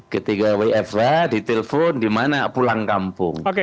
ketika wfh ditelepon di mana pulang kampung